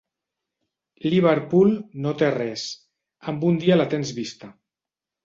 Liverpool no té res, amb un dia la tens vista.